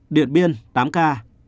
điện biên tám ca